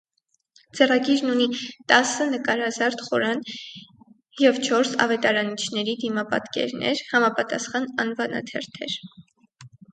Ձեռագիրն ունի տասը նկարազարդ խորան և չորս ավետարանիչների դիմապատկերներ, համապատասխան անվանաթերթեր։